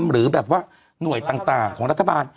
หรือแบบว่าหน่วยต่างของรัฐบาล